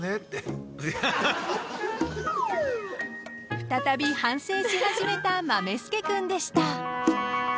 ［再び反省し始めたまめ助くんでした］